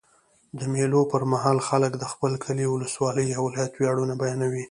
د مېلو پر مهال خلک د خپل کلي، اولسوالۍ یا ولایت ویاړونه بیانوي.